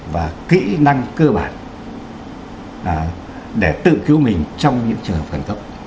và kỹ năng cơ bản để tự cứu mình trong những trường hợp khẩn cấp